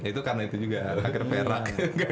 itu karena itu juga agar perak